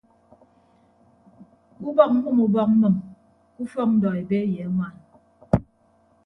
Ke ubọk mmʌm ubọk mmʌm ke ufọk ndọ ebe ye añwaan.